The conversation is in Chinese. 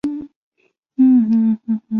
祗陀林列为扬州市文物保护单位。